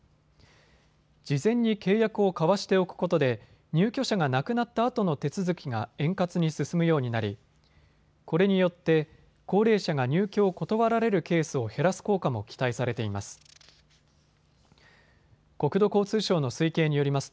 事前に契約を交わしておくことで入居者が亡くなったあとの手続きが円滑に進むようになり、これによって高齢者が入居を断られるケースを減らす効果も期待されています。